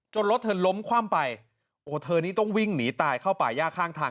รถเธอล้มคว่ำไปโอ้เธอนี้ต้องวิ่งหนีตายเข้าป่าย่าข้างทาง